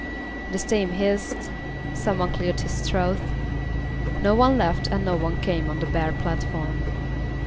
The steam hissed. Someone cleared his throat. No one left and no one came On the bare platform.